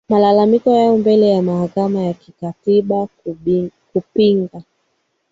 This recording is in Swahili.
malalamiko yao mbele ya mahakama ya kikatiba kumpinga